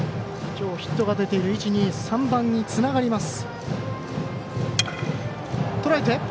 今日ヒットが出ている１、２、３番につながります。